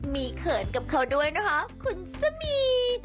มีเขินกับเขาด้วยนะคะคุณสมี